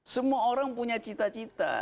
semua orang punya cita cita